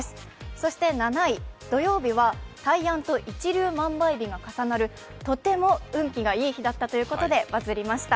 そして７位、土曜日は大安と一粒万倍日が重なるとても運気がいい日だったということでバズりました。